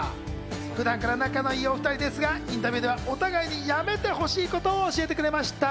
普段から仲の良いお２人ですが、インタビューではお互いにやめてほしいことを教えてくれました。